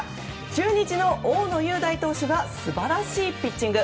中日の大野雄大投手が素晴らしいピッチング。